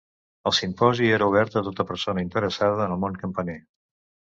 El simposi era obert a tota persona interessada en el món campaner.